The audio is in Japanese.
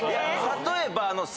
例えば。